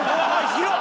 広っ！